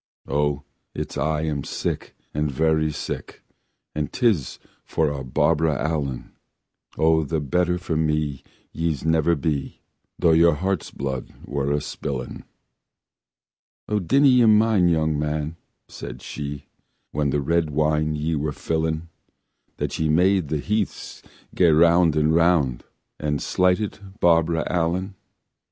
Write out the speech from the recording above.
"O it's I am sick and very very sick, And 'tis a' for Barbara Allen." "O the better for me ye'se never be, Tho your heart's blood were a spillin'!. "O dinna ye mind, young man," said she, "When the red wine ye were fillin', That ye made the healths gae round and round, And slighted Barbara Allen?"